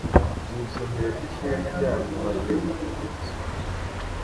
mu isomero ry’ishuri ryanyu, maze mugisome.